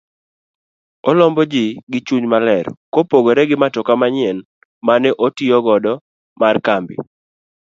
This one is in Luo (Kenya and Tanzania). Olombo gi gichuny maler kopopgore gi matoka manyien mane otiyo godo mar kambi.